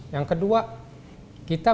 yang kedua kita